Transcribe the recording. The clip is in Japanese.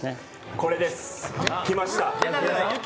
これです、きました、